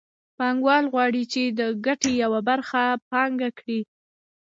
پانګوال غواړي چې د ګټې یوه برخه پانګه کړي